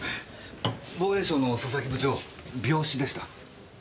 防衛省の佐々木部長病死でした。